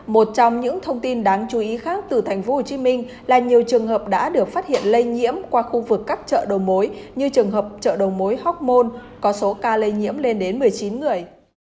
một trong những thông tin đáng chú ý khác từ tp hcm là nhiều trường hợp đã được phát hiện lây nhiễm qua khu vực các chợ đầu mối như trường hợp chợ đầu mối hoc mon có số ca lây nhiễm lên đến một mươi chín người